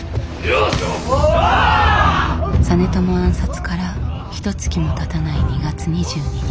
実朝暗殺からひとつきもたたない２月２２日。